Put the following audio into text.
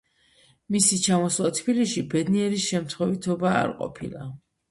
მისი ჩამოსვლა თბილისში ბედნიერი შემთხვევითობა არ ყოფილა.